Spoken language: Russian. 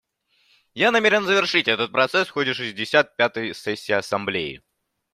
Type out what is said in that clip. Я намерен завершить этот процесс в ходе шестьдесят пятой сессии Ассамблеи.